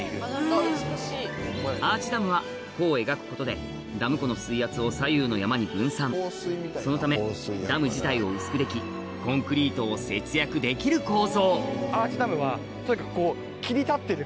アーチダムは弧を描くことでダム湖の水圧を左右の山に分散そのためダム自体を薄くできコンクリートを節約できる構造アーチダムはとにかく。